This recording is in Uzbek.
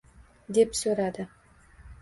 Deb so‘radi